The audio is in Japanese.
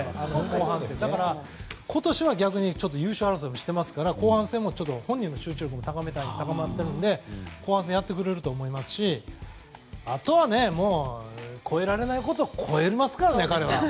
だから今年は優勝争いしてますから後半戦も本人の集中力も高まっているので後半戦やってくれると思いますしあとは、もう超えられないことを超えますからね、彼は。